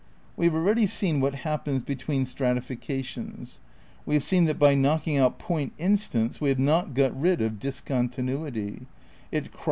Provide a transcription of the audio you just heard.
We have already seen what happens between strati fications. We have seen that by knocking out point instants we have not got rid of discontinuity ; it crops ^The Concept of Natwre, p.